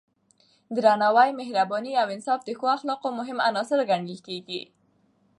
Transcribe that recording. درناوی، مهرباني او انصاف د ښو اخلاقو مهم عناصر ګڼل کېږي.